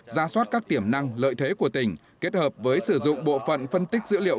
ra soát các tiềm năng lợi thế của tỉnh kết hợp với sử dụng bộ phận phân tích dữ liệu